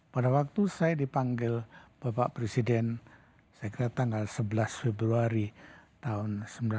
pada waktu saya dipanggil bapak presiden saya kira tanggal sebelas februari tahun seribu sembilan ratus sembilan puluh delapan